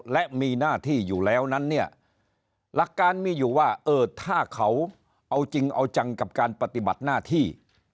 และมีหน้าที่อยู่แล้วนั้นเนี่ยหลักการมีอยู่ว่าเออถ้าเขาเอาจริงเอาจังกับการปฏิบัติหน้าที่